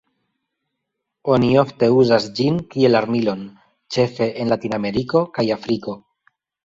Oni ofte uzas ĝin kiel armilon, ĉefe en Latinameriko kaj Afriko.